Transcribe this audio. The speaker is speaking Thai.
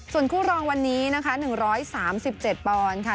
ส่วนคู่รองวันนี้นะคะหนึ่งร้อยสามสิบเจ็ดปอนด์ค่ะ